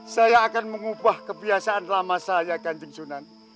saya akan mengubah kebiasaan lama saya ganjing sunan